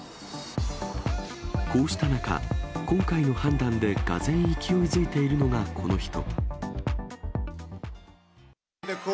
こうした中、今回の判断で俄然勢いづいているのがこの人。